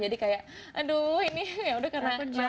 jadi kayak aduh ini yaudah karena aku jatuh